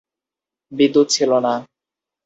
বিদ্যুৎ ছিল না।